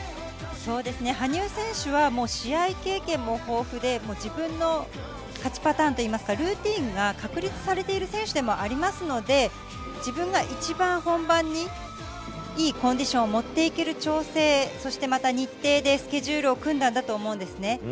羽生選手は試合経験も豊富で自分の勝ちパターンといいますかルーティンが確立されている選手でもありますので自分が一番本番にいいコンディションを持っていける調整そして、また日程でスケジュールを組んだんだと思うんですね。